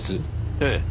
ええ。